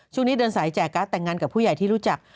ช่วงนี้เดินสายแจกราศแต่งงานกับผู้ใหญ่ที่รู้จัก